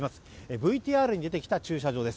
ＶＴＲに出てきた駐車場です。